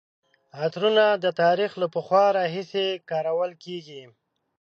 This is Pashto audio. عطرونه د تاریخ له پخوا راهیسې کارول کیږي.